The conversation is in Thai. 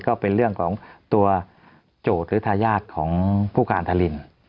ก็เป็นเรื่องของตัวโจทย์หรือทายาทของผู้การทาริน